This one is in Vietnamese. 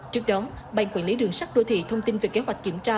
trước đó ban quản lý đường sắt đô thị thông tin về kế hoạch kiểm tra